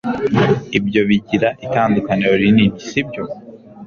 Ibyo bigira itandukaniro rinini, sibyo?